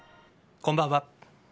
こんばんは。